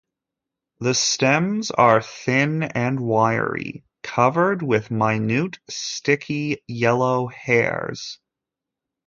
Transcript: The stems are thin and wiry, covered with minute sticky yellow hairs.